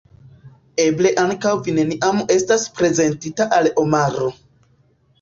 Eble ankaŭ vi neniam estas prezentita al Omaro.